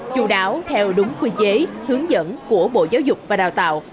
chú đáo theo đúng quy chế hướng dẫn của bộ giáo dục và đào tạo